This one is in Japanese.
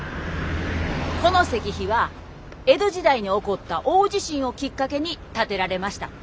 この石碑は江戸時代に起こった大地震をきっかけに建てられました。